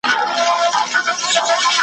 که له مرګه ځان ژغورې کوهي ته راسه .